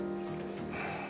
うん。